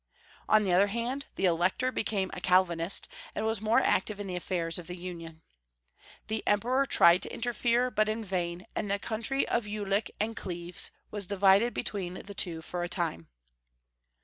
On the other hand the Elector became a Calvinist, and was more active in the affairs of the union. The Emperor tried to interfere, but in vain, and the country of Julich and Cleves was divided between the two for a time.